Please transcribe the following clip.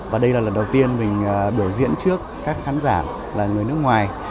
và đây là lần đầu tiên mình biểu diễn trước các khán giả là người nước ngoài